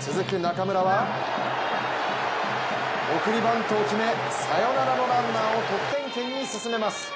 続く中村は、送りバントを決めサヨナラのランナーを得点圏に進めます。